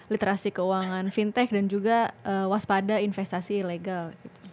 literasi keuangan fintech dan juga waspada investasi ilegal